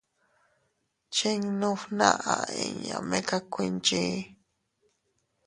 Chinnu fnaʼa inña meka kuinchii.